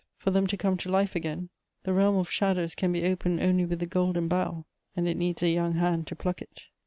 for them to come to life again: the realm of shadows can be opened only with the golden bough, and it needs a young hand to pluck it.